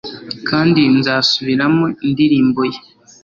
Kandi nzasubiramo indirimbo ye